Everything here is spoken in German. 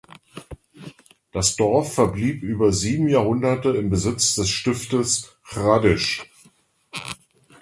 Das Dorf verblieb über sieben Jahrhunderte im Besitz des Stiftes Hradisch.